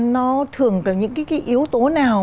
nó thường là những cái yếu tố nào